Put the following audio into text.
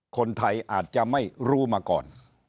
คนไทยอาจจะไม่รู้มาก่อน